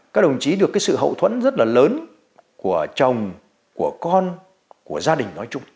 các đồng chí được cái sự hậu thuẫn rất là lớn của chồng của con của gia đình nói chung